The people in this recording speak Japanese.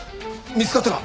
見つかったか？